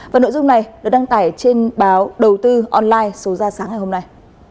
và nội dung này được đăng tải trên báo đầu tư online số ra sáng ngày hôm nay